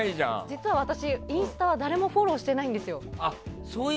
実は私、インスタは誰もフォローしてないんです。